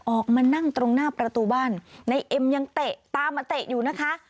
ออกมานั่งตรงหน้าประตูบ้านในเอ็มยังเตะตามมาเตะอยู่นะคะ